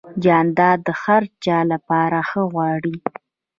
جانداد د هر چا لپاره ښه غواړي.